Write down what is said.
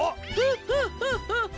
ハハハハハ！